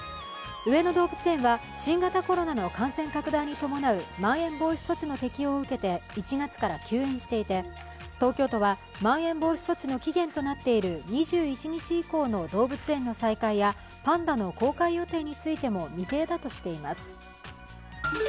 上野動物園は、新型コロナの感染拡大に伴うまん延防止措置の適用を受けて１月から休園していて東京都は、まん延防止措置の期限となっている２１日以降の動物園の再開やパンダの公開予定についても未定だとしています。